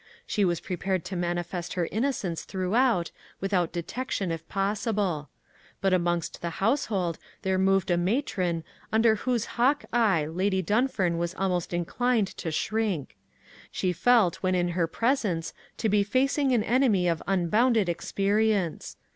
She was prepared to manifest her innocence throughout, without detection if possible. But amongst the household there moved a matron under whose hawk like eye Lady Dunfern was almost inclined to shrink. She felt when in her presence to be facing an enemy of unbounded experience.